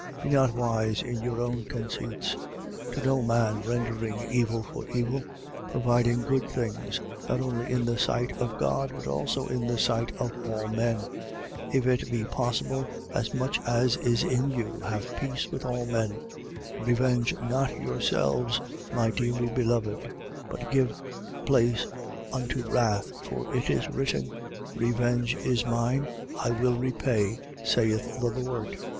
Be not wise in your own conceits. 12:17. To no man rendering evil for evil. Providing good things, not only in the sight of God but also in the sight of all men. 12:18. If it be possible, as much as is in you, have peace with all men. 12:19. Revenge not yourselves, my dearly beloved; but give place unto wrath, for it is written: Revenge is mine, I will repay, saith the Lord.